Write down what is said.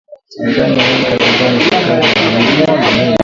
changanya unga wa ngano sukari na hamira